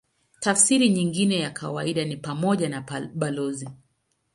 Tafsiri nyingine ya kawaida ni pamoja na balozi.